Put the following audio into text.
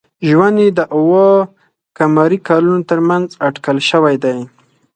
ژوند یې د اوه ق کلونو تر منځ اټکل شوی دی.